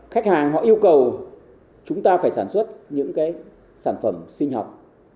khách hàng họ yêu cầu chúng ta phải sản xuất những cái sản phẩm sinh học